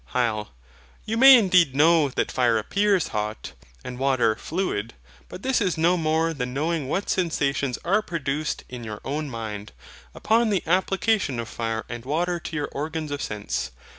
HYL. You may indeed know that fire appears hot, and water fluid; but this is no more than knowing what sensations are produced in your own mind, upon the application of fire and water to your organs of sense.